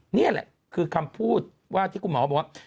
นี่แหละคือคำพูดว่าที่คุณหมอบอกว่า